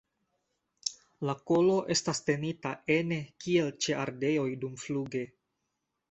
La kolo estas tenita ene kiel ĉe ardeoj dumfluge.